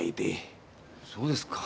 そうですか。